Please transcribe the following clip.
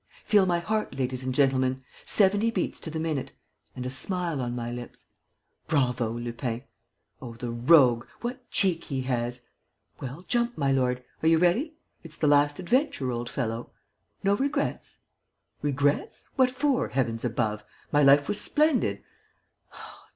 ... Feel my heart, ladies and gentlemen ... seventy beats to the minute. ... And a smile on my lips. ... 'Bravo, Lupin! Oh, the rogue, what cheek he has!' ... Well, jump, my lord. ... Are you ready? It's the last adventure, old fellow. No regrets? Regrets? What for, heavens above? My life was splendid.